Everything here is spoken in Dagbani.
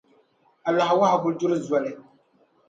Alaha wɔhu bi duri zoli.